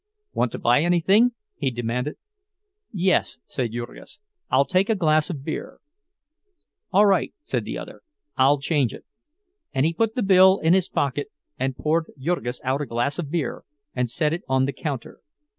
"Want to buy anything?" he demanded. "Yes," said Jurgis, "I'll take a glass of beer." "All right," said the other, "I'll change it." And he put the bill in his pocket, and poured Jurgis out a glass of beer, and set it on the counter.